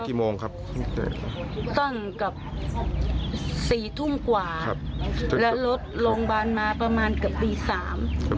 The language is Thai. ติดเตียงได้ยินเสียงลูกสาวต้องโทรศัพท์ไปหาคนมาช่วย